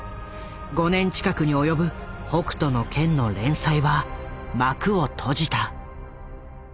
５年近くに及ぶ「北斗の拳」の連載は幕を閉じた。